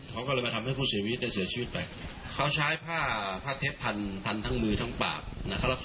เขาก็เลยมาทำให้ผู้เสียชีวิตไปเขาใช้ผ้าเท็บพันทั้งมือทั้งปาก